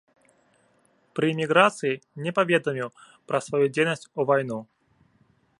Пры іміграцыі не паведаміў пра сваю дзейнасць у вайну.